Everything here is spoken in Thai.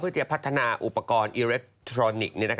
เพื่อจะพัฒนาอุปกรณ์อิเล็กทรอนิกส์